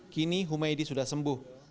kini humaydi sudah sembuh